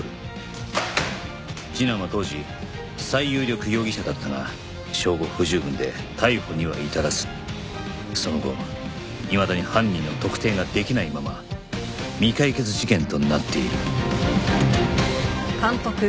次男は当時最有力容疑者だったが証拠不十分で逮捕には至らずその後いまだに犯人の特定ができないまま未解決事件となっている